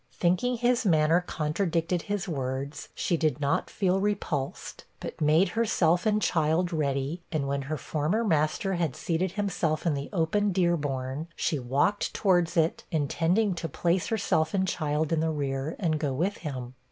Thinking his manner contradicted his words, she did not feel repulsed, but made herself and child ready; and when her former master had seated himself in the open dearborn, she walked towards it, intending to place herself and child in the rear, and go with him.